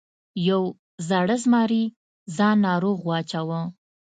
یو زاړه زمري ځان ناروغ واچاوه.